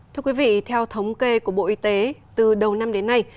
thưa quý vị theo thống kê của bộ y tế từ đầu năm đến nay